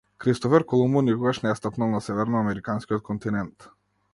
Кристофер Колумбо никогаш не стапнал на северноамериканскиот континент.